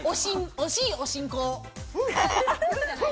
惜しいおしんこ。